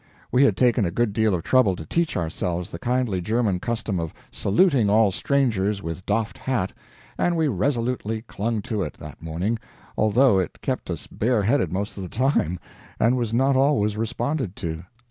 We had taken a good deal of trouble to teach ourselves the kindly German custom of saluting all strangers with doffed hat, and we resolutely clung to it, that morning, although it kept us bareheaded most of the time and was not always responded to.